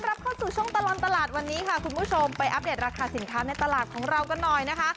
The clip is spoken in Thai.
รับเข้าสู่ช่วงตลอดตลาดวันนี้ค่ะคุณผู้ชมไปอัปเดตราคาสินค้าในตลาดของเรากันหน่อยนะคะ